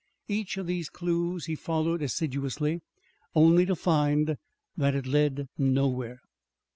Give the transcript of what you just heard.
Each of these clues he followed assiduously, only to find that it led nowhere.